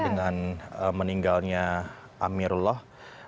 dengan meninggalnya amirullah